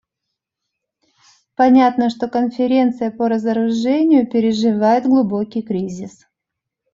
Понятно, что Конференция по разоружению переживает глубокий кризис.